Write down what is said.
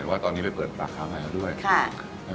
ว่าตอนนี้ที่ไปปลักคราวใหม่